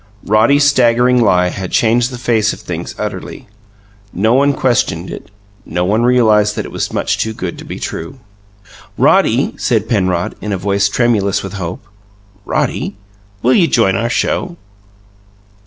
Roddy's staggering lie had changed the face of things utterly. No one questioned it; no one realized that it was much too good to be true. "Roddy," said Penrod, in a voice tremulous with hope, "Roddy, will you join our show?"